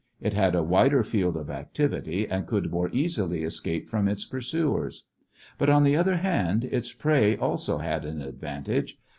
It had a wider field of activity and could more easily escape from its pursuers. But on the other hand, its prey also had an advantage.